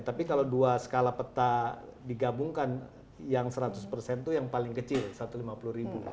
tapi kalau dua skala peta digabungkan yang seratus persen itu yang paling kecil satu ratus lima puluh ribu